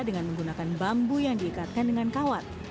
dengan menggunakan bambu yang diikatkan dengan kawat